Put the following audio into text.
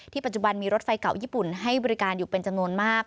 ปัจจุบันมีรถไฟเก่าญี่ปุ่นให้บริการอยู่เป็นจำนวนมาก